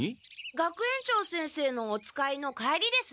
学園長先生のお使いの帰りです。